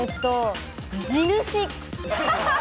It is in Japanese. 地主。